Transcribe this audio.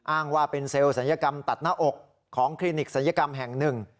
อ้างว่าเป็นเซลล์ศัลยกรรมตัดหน้าอกของคลินิกศัลยกรรมแห่งหนึ่ง